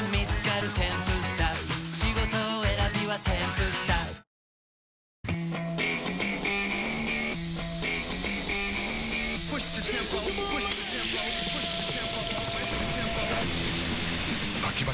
プシューッ！